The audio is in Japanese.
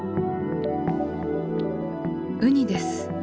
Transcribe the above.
ウニです。